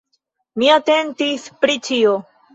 Mi atentis pri ĉio.